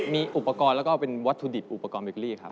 มีอุปกรณ์แล้วก็เป็นวัตถุดิบอุปกรณ์เบเกอรี่ครับ